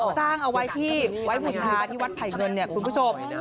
สร้างเอาไว้ที่ไว้บูชาที่วัดไผ่เงินเนี่ยคุณผู้ชม